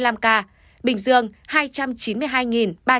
tây dương hai trăm chín mươi hai ba trăm linh năm ca